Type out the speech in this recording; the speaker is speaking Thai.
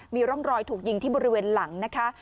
มีร่องรอยถูกยิงที่บริเวณหลังนะคะ